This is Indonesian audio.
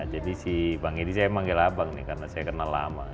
jadi si bang edi saya manggil abang nih karena saya kenal lama